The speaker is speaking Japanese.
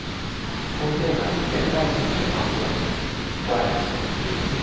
商店街全体を写真館と捉えてしまうということですね。